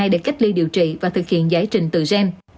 để cách ly điều trị và thực hiện giải trình tự gen